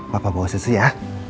bapak bawa susu ya